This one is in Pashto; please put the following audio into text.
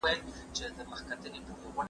د علمي پرمختګ له تجربو پرته نسي رامینځته کیدای.